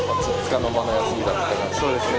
そうですね。